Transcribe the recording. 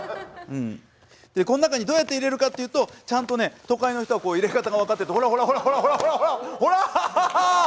でこん中にどうやって入れるかっていうとちゃんとね都会の人は入れ方が分かっててほらほらほらほらほらほらほらほら。